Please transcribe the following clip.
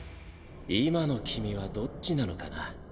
今の君はどっちなのかな？